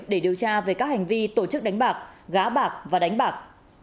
để điều tra về các hành vi tổ chức đánh bạc gá bạc và đánh bạc